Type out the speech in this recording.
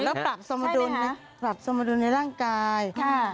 แล้วปรับสมดุลปรับสมดุลในร่างกาย